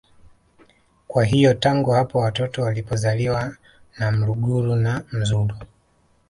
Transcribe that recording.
Kwa hiyo tangu hapo watoto walipozaliwa na mluguru na mzulu